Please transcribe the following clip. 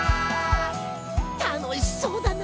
たのしそうだな。